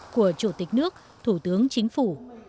của chủ tịch nước thủ tướng chính phủ